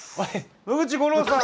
野口五郎さん。